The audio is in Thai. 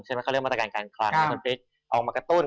ชอปพลิ๊กออกมากระตุ้น